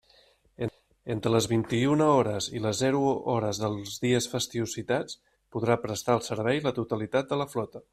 Entre les vint-i-una hores i les zero hores dels dies festius citats podrà prestar el servei la totalitat de la flota.